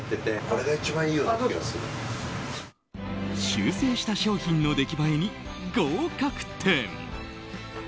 修正した商品の出来栄えに合格点。